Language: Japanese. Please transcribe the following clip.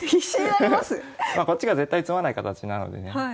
こっちが絶対詰まない形なのでね。